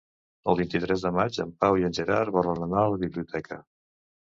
El vint-i-tres de maig en Pau i en Gerard volen anar a la biblioteca.